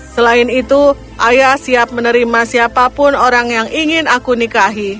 selain itu ayah siap menerima siapapun orang yang ingin aku nikahi